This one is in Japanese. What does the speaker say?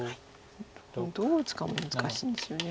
でもどう打つかも難しいんですよね。